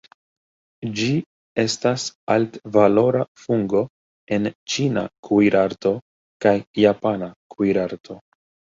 Ĝi estas altvalora fungo en ĉina kuirarto kaj japana kuirarto.